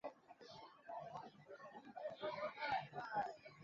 曾化名林涛。